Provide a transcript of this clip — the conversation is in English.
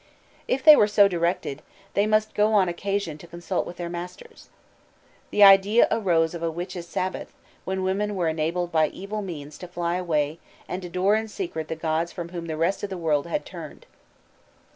If they were so directed, they must go on occasions to consult with their masters. The idea arose of a witches' Sabbath, when women were enabled by evil means to fly away, and adore in secret the gods from whom the rest of the world had turned.